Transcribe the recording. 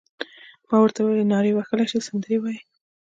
ما ورته وویل: نارې وهلای شې، سندرې وایې؟